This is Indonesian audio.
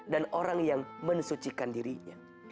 dan orang yang mensucikan dirinya